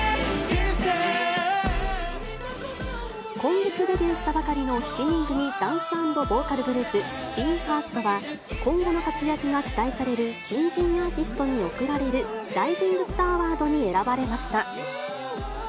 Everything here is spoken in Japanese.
今月デビューしたばかりの７人組ダンス＆ボーカルグループ、ＢＥ：ＦＩＲＳＴは、今後の活躍が期待される新人アーティストに贈られる、ライジング・スター・アワードに選ばれました。